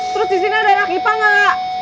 terus di sini anak ipa gak